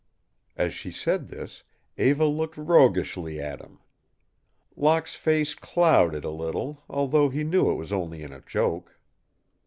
As she said this, Eva looked roguishly at him. Locke's face clouded a little, although he knew it was only in a joke.